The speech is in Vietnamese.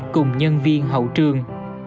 cùng nhân viên hậu trường